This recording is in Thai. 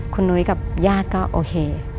คุณนุ้ยกับญาติก็โอเค